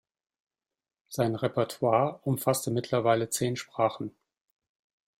Sein Repertoire umfasste mittlerweile zehn Sprachen.